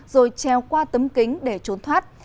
rồi treo qua tấm kính để trốn thoát